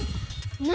何？